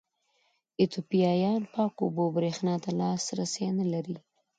ایتوپیایان پاکو اوبو برېښنا ته لاسرسی نه لري.